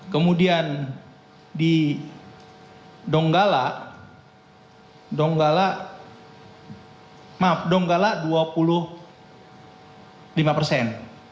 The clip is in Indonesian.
kemudian di donggala donggala dua puluh lima persen